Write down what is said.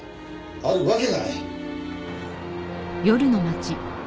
あるわけがない！